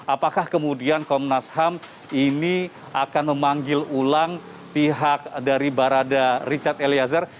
apakah kemudian komnas ham ini akan memanggil ulang pihak dari barada richard eliezer